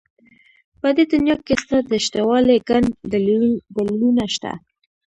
په دې دنيا کې ستا د شتهوالي گڼ دلیلونه شته.